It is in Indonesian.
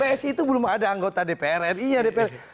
psi itu belum ada anggota dpr ri nya dpr